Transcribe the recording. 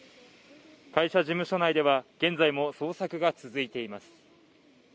会社事務所内では現在も捜索が続いています